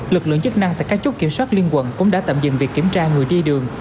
lực lượng chức năng tại các chốt kiểm soát liên quận cũng đã tạm dừng việc kiểm tra người đi đường